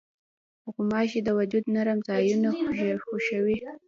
غوماشې د وجود نرم ځایونه خوښوي.